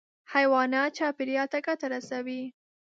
حیوانات چاپېریال ته ګټه رسوي.